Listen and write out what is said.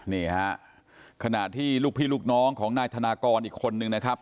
นี่ฮะขณะที่ลูกพี่ลูกน้องของนายธนากรอีกคนนึงนะครับ